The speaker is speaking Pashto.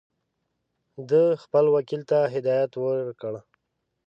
ده خپل وکیل ته هدایت ورکړ.